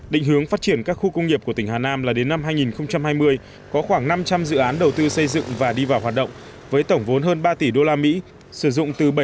định hướng phát triển các khu công nghiệp của tỉnh hà nam là đến năm hai nghìn hai mươi có khoảng năm trăm linh dự án đầu tư xây dựng và đi vào hoạt động với tổng vốn hơn ba tỷ usd